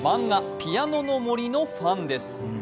「ピアノの森」のファンです。